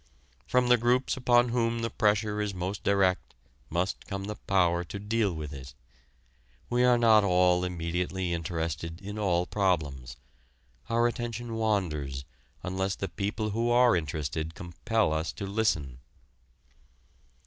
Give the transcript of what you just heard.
From the groups upon whom the pressure is most direct must come the power to deal with it. We are not all immediately interested in all problems: our attention wanders unless the people who are interested compel us to listen.